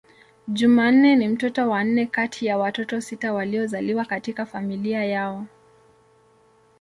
Jumanne ni mtoto wa nne kati ya watoto sita waliozaliwa katika familia yao.